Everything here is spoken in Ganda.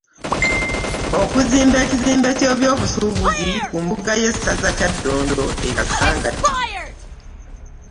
Okuzimba ekizimbe ky'ebyobusuubuzi ku mbuga y'essaza Kyaddondo e Kasangati.